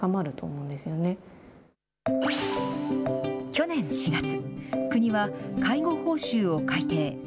去年４月、国は介護報酬を改定。